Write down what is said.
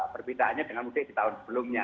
perbedaannya dengan mudik di tahun sebelumnya